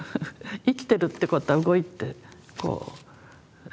生きてるってことは動いてこう。